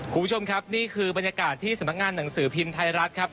คุณผู้ชมครับนี่คือบรรยากาศที่สำนักงานหนังสือพิมพ์ไทยรัฐครับ